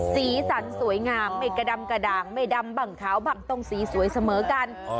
สีสันสวยงามไม่กระดำกระดางไม่ดำบ้างขาวบ้างต้องสีสวยเสมอกัน